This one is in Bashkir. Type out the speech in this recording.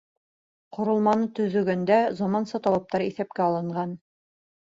Ҡоролманы төҙөгәндә заманса талаптар иҫәпкә алынған.